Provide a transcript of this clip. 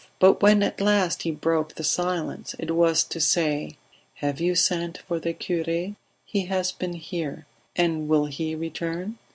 But when at last he broke the silence it was to say: "Have you sent for the cure? ... He has been here. And will he return?